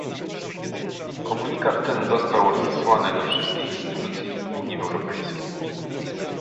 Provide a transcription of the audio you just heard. Komunikat ten został rozesłany do wszystkich instytucji Unii Europejskiej